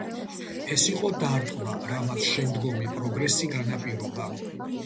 ეს იყო დარტყმა, რამაც შემდგომი პროგრესი განაპირობა.